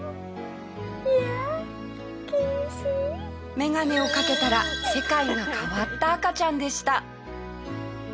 メガネをかけたら世界が変わった赤ちゃんでした。